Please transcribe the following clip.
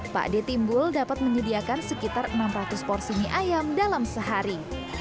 pak d timbul dapat menyediakan sekitar enam ratus porsi mie ayam dalam sehari